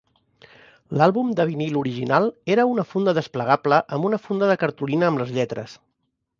L'àlbum de vinil original era una funda desplegable amb una funda de cartolina amb les lletres.